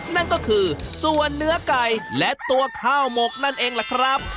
นั่นก็คือส่วนเนื้อไก่และตัวข้าวหมกนั่นเองล่ะครับ